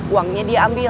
uangnya dia ambil